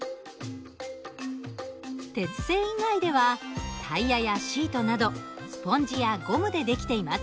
鉄製以外ではタイヤやシートなどスポンジやゴムで出来ています。